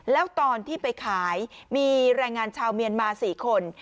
แล้วตอนที่ไปขายมีแรงงานชาวเมียนมา๔คน